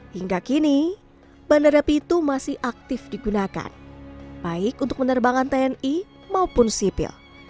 hingga kini bandara pitu masih aktif digunakan baik untuk penerbangan tni maupun sipil